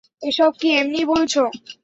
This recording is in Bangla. এসব কি এমনিই বলছো?